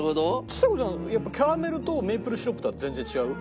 ちさ子ちゃんやっぱキャラメルとメープルシロップとは全然違う？